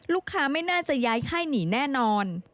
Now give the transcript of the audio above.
ลูกค้าไม่น่าจะย้ายไข้หนีแน่นอน